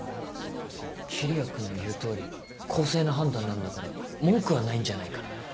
桐矢君の言うとおり公正な判断なんだから文句はないんじゃないかな？